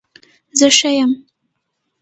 زه ښه یم